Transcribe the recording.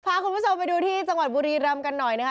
พาคุณผู้ชมไปดูที่จังหวัดบุรีรำกันหน่อยนะคะ